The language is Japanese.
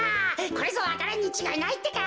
これぞわか蘭にちがいないってか。